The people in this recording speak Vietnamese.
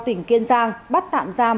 tỉnh tiền giang bắt tạm giam